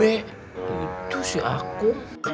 itu sih aku